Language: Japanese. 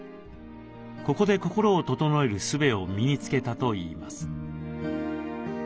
ここで心を整えるすべを身につけたといいます。